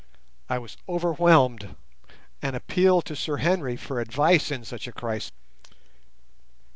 I was overwhelmed, and appealed to Sir Henry for advice in such a crisis.